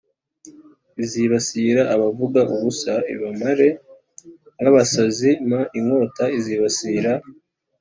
izibasira abavuga ubusa l bamere nk abasazi m Inkota izibasira